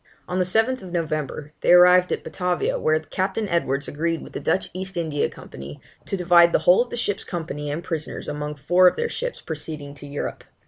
On the 7th November they arrived at Batavia, where Captain Edwards agreed with the Dutch East India Company, to divide the whole of the ship's company and prisoners among four of their ships proceeding to Europe.